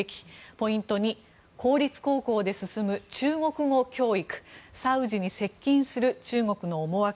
ポイント２公立高校で進む中国語教育サウジに接近する中国の思惑。